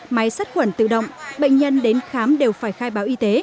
máy sắt khuẩn tự động bệnh nhân đến khám đều phải khai báo y tế